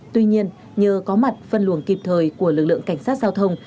tuy nhiên nhờ có mặt phân luồng kịp thời của lực lượng cảnh sát giao thông